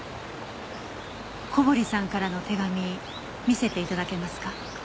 小堀さんからの手紙見せて頂けますか？